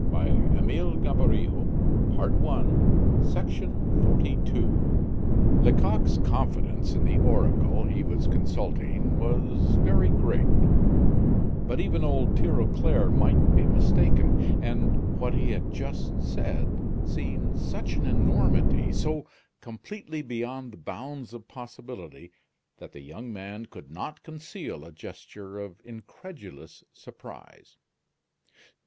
"I don't suppose it," he replied; "I'm sure of it." XXIV Lecoq's confidence in the oracle he was consulting was very great; but even old Tirauclair might be mistaken, and what he had just said seemed such an enormity, so completely beyond the bounds of possibility, that the young man could not conceal a gesture of incredulous surprise.